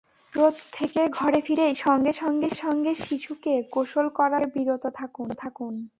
রোদ থেকে ঘরে ফিরেই সঙ্গে সঙ্গে শিশুকে গোসল করানো থেকে বিরত থাকুন।